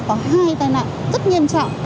có hai tai nạn rất nghiêm trọng